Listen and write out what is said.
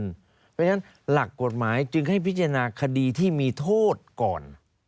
เพราะฉะนั้นหลักกฎหมายจึงให้พิจารณาคดีที่มีโทษก่อน